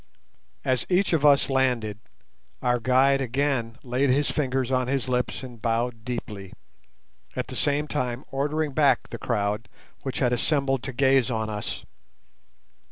As each of us landed, our guide again laid his fingers on his lips and bowed deeply, at the same time ordering back the crowds which had assembled to gaze on us.